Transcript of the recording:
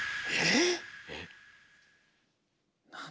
え？